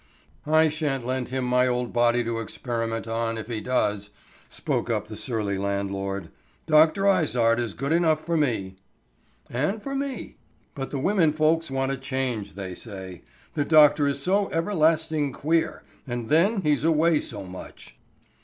"I sha'n't lend him my old body to experiment on, if he does," spoke up the surly landlord. "Dr. Izard is good enough for me." "And for me. But the women folks want a change, they say. The doctor is so everlasting queer; and then he's away so much."